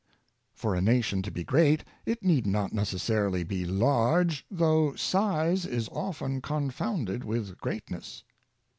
For a nation to be great, it need not necessarily be large, though size is often confounded with greatness.